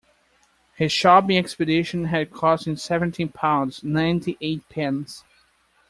His shopping expedition had cost him seventeen pounds, ninety-eight pence